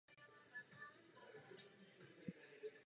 Užíval rozsáhlý instrumentální aparát včetně několika sborů.